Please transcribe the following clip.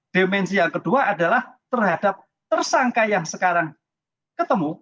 dimensi yang kedua adalah terhadap tersangka yang sekarang ketemu